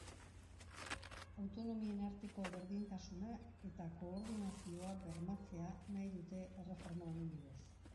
Autonomien arteko berdintasuna eta koordinazioa bermatzea nahi dute erreforma honen bidez.